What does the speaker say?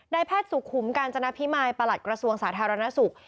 แพทย์สุขุมกาญจนพิมายประหลัดกระทรวงสาธารณสุข